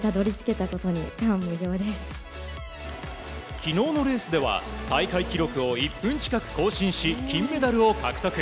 昨日のレースでは大会記録を１分近く更新し、金メダルを獲得。